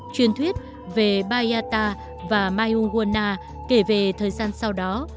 chuyên thuyết về pai yata và maiung gwona kể về thời gian sau đó